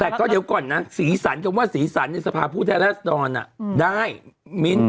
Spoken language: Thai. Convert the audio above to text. แต่ก็เดี๋ยวก่อนนะสีสันก็ว่าสีสันในสภาพภูเทราสตรอนได้มิ้น